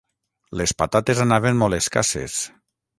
Les patates anaven molt escasses